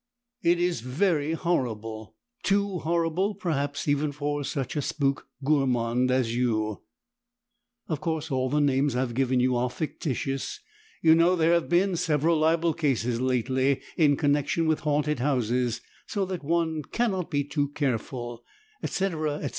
It is very horrible, too horrible, perhaps even for such a "spook gourmand" as you. Of course all the names I have given you are fictitious. You know there have been several libel cases lately, in connection with haunted houses so that one cannot be too careful. &c. &c.